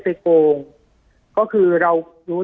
ปากกับภาคภูมิ